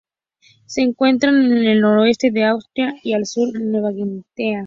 Se encuentra en en el noreste de Australia y al sur de Nueva Guinea.